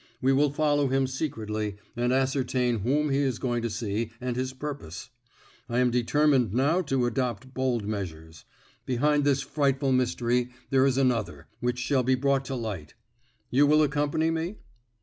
We will follow him secretly, and ascertain whom he is going to see, and his purpose. I am determined now to adopt bold measures. Behind this frightful mystery there is another, which shall be brought to light. You will accompany me?"